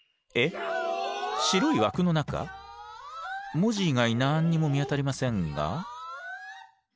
文字以外何にも見当たりませんが。